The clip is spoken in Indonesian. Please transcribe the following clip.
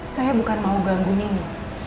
saya bukan mau ganggu nino